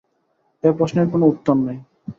এ প্রশ্নের কোন উত্তর নাই।